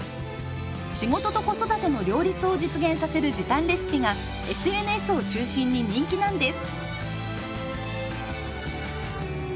仕事と子育ての両立を実現させる時短レシピがＳＮＳを中心に人気なんです。